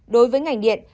đối với ngành điện